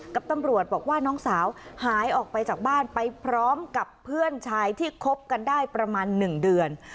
กับตำรวจบอกว่าน้องสาวหายออกไปจากบ้านไปพร้อมกับเพื่อนชายที่คบกันได้ประมาณ๑เดือน